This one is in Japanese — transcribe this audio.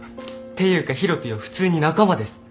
ていうかヒロピーは普通に仲間です。